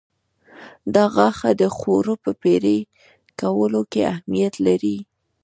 دا غاښه د خوړو په پرې کولو کې اهمیت لري.